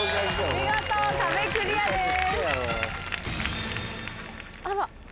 見事壁クリアです。